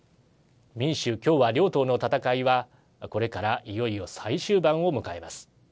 民主・共和両党の戦いはこれからいよいよ最終盤を迎えます。